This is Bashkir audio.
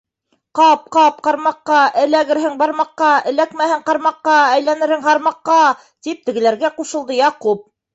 - Ҡап-ҡап ҡармаҡҡа, эләгерһең бармаҡҡа, эләкмәһәң ҡармаҡҡа, әйләнерһең һармаҡҡа, - тип тегеләргә ҡушылды Яҡуп.